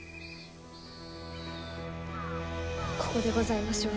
ここでございましょう。